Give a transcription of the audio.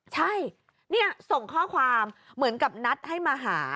ใช่นี่ส่งข้อความเหมือนกับนัดให้มาหา